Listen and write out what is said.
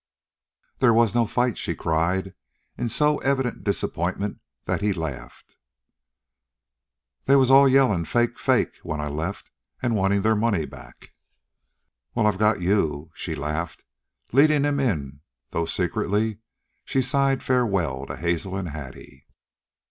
"There was no fight?" she cried, in so evident disappointment that he laughed. "They was all yellin' 'Fake! Fake!' when I left, an' wantin' their money back." "Well, I've got YOU," she laughed, leading him in, though secretly she sighed farewell to Hazel and Hattie.